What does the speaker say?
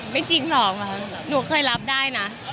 จริงหรอกหนูเคยรับได้นะ